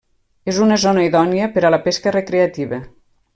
És una zona idònia per a la pesca recreativa.